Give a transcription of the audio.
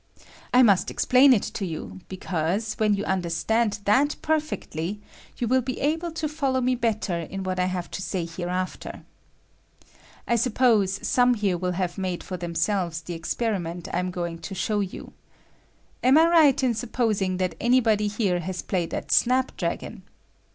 I must explain it to you, because, when GAME OF SNAPDKAGON. ^^L not k you understand that perfectly, you will be able to follow me better ia wbat I have to say here after. I suppose some here will have made for themselves the experiment I am going to show you. Am I right in supposing that any body here has played at snapdragon?